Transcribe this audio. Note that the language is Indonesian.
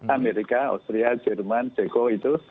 amerika austria jerman ceko itu